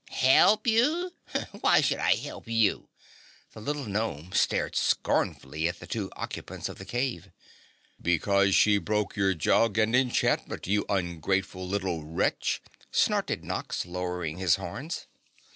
"Help you? Why should I help you?" The little Gnome stared scornfully at the two occupants of the cave. "Because she broke your jug and enchantment, you ungrateful little wretch!" snorted Nox, lowering his horns.